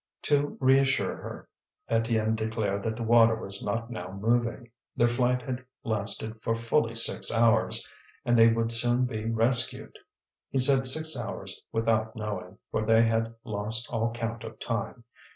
To reassure her, Étienne declared that the water was not now moving. Their flight had lasted for fully six hours, and they would soon be rescued. He said six hours without knowing, for they had lost all count of time.